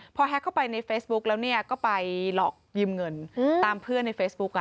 พอแฮ็กเข้าไปในเฟซบุ๊กแล้วเนี่ยก็ไปหลอกยืมเงินตามเพื่อนในเฟซบุ๊ก